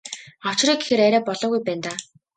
Авчиръя гэхээр арай болоогүй байна даа.